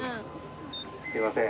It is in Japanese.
すいません